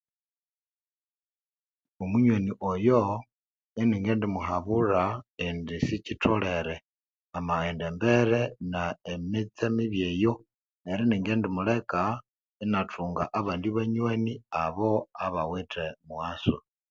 Omunywani oyo ini ngindi muhabulha indi sikyitholere amaghenda embere na emitse mibi eyo neryo ini ngimdi muleka ina thuga ibanywani abo abawithe mughaso